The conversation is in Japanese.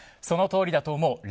そのとおりだと思う。